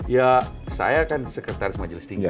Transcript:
ya saya kan sekretaris majelis tinggi